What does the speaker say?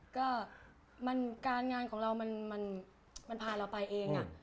ก็มันการงานของเรามันมันพาเราไปเองอะ